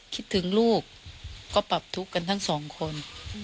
คิดถึงลูกก็ปรับทุกข์กันทั้งสองคน